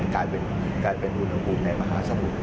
กลายเป็นอุณหาวุฒว์ในมหาสมุน